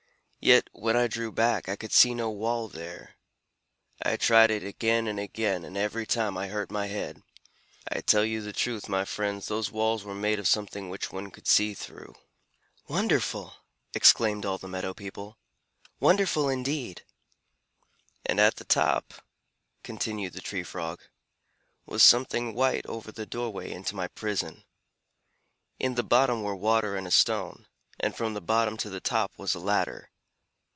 Yet when I drew back, I could see no wall there. I tried it again and again, and every time I hurt my head. I tell you the truth, my friends, those walls were made of something which one could see through." "Wonderful!" exclaimed all the meadow people; "wonderful, indeed!" "And at the top," continued the Tree Frog, "was something white over the doorway into my prison. In the bottom were water and a stone, and from the bottom to the top was a ladder.